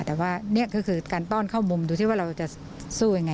แต่ว่านี่ก็คือการต้อนเข้ามุมดูที่ว่าเราจะสู้ยังไง